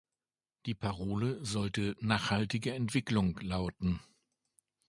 Die Parole sollte nachhaltige Entwicklung lauten.